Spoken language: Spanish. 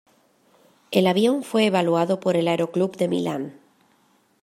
El avión fue evaluado por el aeroclub de Milán.